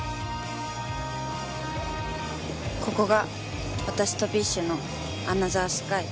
ここが私とＢｉＳＨのアナザースカイ。